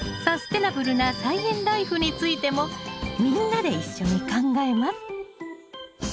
サステナブルな菜園ライフについてもみんなで一緒に考えます。